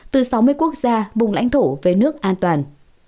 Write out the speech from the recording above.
từ sáu mươi quốc gia vùng lãnh thổ về nước an toàn